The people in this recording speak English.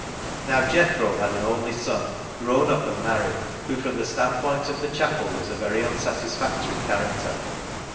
Now Jethro had an only son, grown up and married, who from the standpoint of the chapel was a very unsatisfactory character.